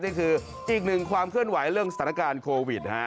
นี่คืออีกหนึ่งความเคลื่อนไหวเรื่องสถานการณ์โควิด